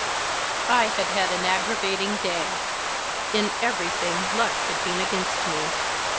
I HAD had an aggravating day. In everything luck had been against me.